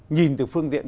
nhìn từ phương tiện